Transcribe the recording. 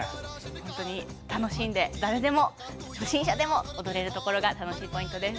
本当に楽しんで誰でも初心者でも踊れることが楽しいポイントです。